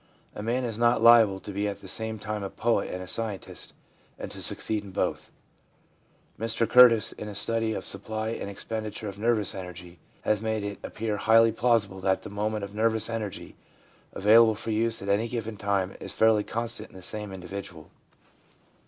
A man is not liable to be at the same time a poet and a scientist, and to succeed in both. Mr Curtis, 1 in a study of the supply and expenditure of nervous energy, has made it appear highly plausible that the amount of nervous energy available for use at any given time is fairly con stant in the same individual.